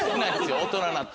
大人になって。